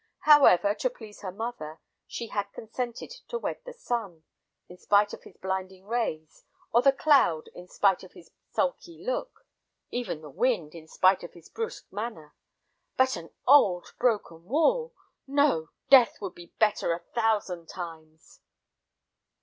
However, to please her mother, she had consented to wed the sun, in spite of his blinding rays, or the cloud, in spite of his sulky look, even the wind, in spite of his brusque manner; but an old, broken wall!... No! death would be better a thousand times.